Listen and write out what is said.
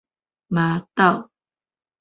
峇斗